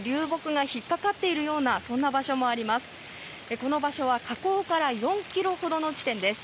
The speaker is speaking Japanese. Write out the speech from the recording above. この場所は河口から４ｋｍほどの地点です。